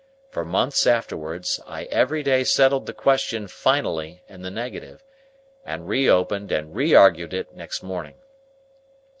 For months afterwards, I every day settled the question finally in the negative, and reopened and reargued it next morning.